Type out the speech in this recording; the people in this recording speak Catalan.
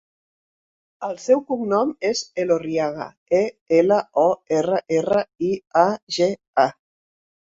El seu cognom és Elorriaga: e, ela, o, erra, erra, i, a, ge, a.